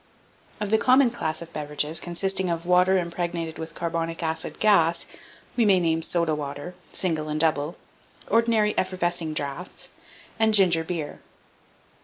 1790. Of the common class of beverages, consisting of water impregnated with carbonic acid gas, we may name soda water, single and double, ordinary effervescing draughts, and ginger beer.